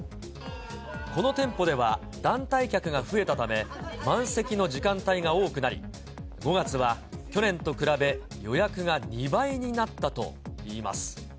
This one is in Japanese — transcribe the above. この店舗では、団体客が増えたため、満席の時間帯が多くなり、５月は去年と比べ、予約が２倍になったといいます。